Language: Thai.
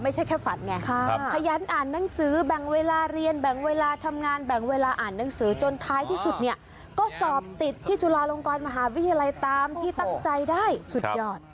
จนท้ายที่สุดเนี่ยก็สอบติดที่จุฬาลงกรมหาวิทยาลัยตามที่ตั้งใจได้สุดยอด